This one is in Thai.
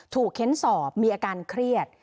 เค้นสอบมีอาการเครียด